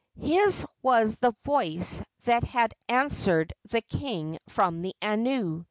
His was the voice that had answered the king from the anu.